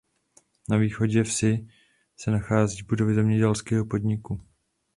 Na východě vsi se nacházejí budovy zemědělského podniku.